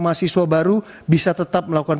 mahasiswa baru bisa tetap melakukan